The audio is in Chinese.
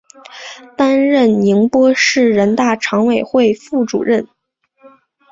担任宁波市人大常委会副主任。